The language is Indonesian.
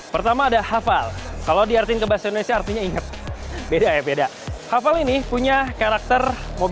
pertama ada hafal kalau diartikan ke bahasa indonesia artinya ingat beda ya beda hafal ini punya karakter